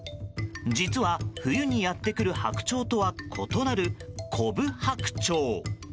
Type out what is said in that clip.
実は冬にやってくるハクチョウとは異なるコブハクチョウ。